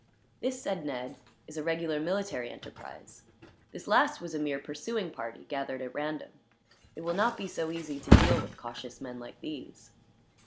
"This," said Ned, "is a regular military enterprise. The last was a mere pursuing party, gathered at random. It will not be so easy to deal with cautious men, like these."